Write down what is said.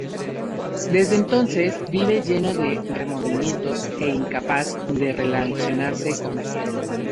Desde entonces, vive lleno de remordimientos e incapaz de relacionarse con la gente.